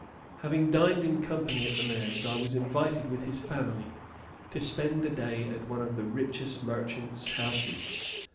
Having dined in company at the mayor's I was invited with his family to spend the day at one of the richest merchant's houses.